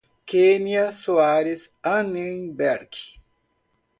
Kênia Soares Annemberg